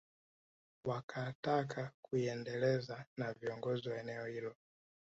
Wakataka kuiendeleza na viongozi wa eneo hilo